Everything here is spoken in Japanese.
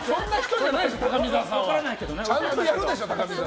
ちゃんとやるでしょ！